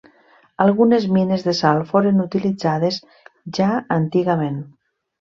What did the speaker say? Algunes mines de sal foren utilitzades ja antigament.